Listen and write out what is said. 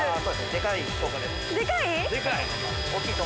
でかい！